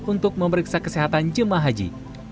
untuk memeriksa kesehatan jemaah haji